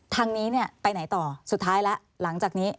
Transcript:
ทางนี้เนี่ยไปไหนต่อสุดท้ายแล้วหลังจากนี้